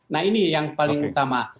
nah ini yang paling utama